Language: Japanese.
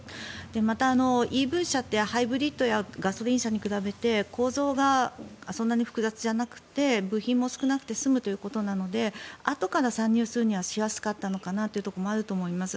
また、ＥＶ車ってハイブリッドやガソリン車に比べて構造がそんなに複雑じゃなくて部品も少なくて済むということなのであとから参入するにはしやすかったのかなというところもあると思います。